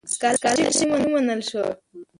سکالرشیپ مې ومنل شو.